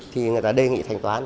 thì người ta đề nghị thành toán